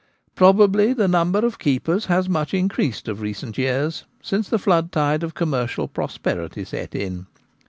Probably the number of keepers has much increased of recent years, since the floodtide of commercial prosperity set in.